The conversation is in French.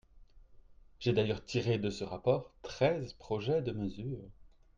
J’ai d’ailleurs tiré de ce rapport treize projets de mesures.